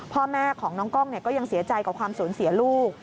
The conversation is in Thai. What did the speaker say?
พ่อแม่ของน้องกล้องก็ยังเสียใจกับความสูญเสียลูก